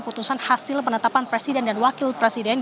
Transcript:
putusan hasil penetapan presiden dan wakil presiden